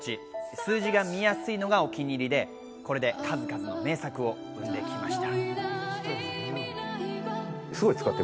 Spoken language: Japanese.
数字が見やすいのがお気に入りで、これで数々の名作を生んできました。